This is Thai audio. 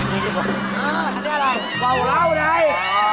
นี่อะไรเว้าเหล้าได้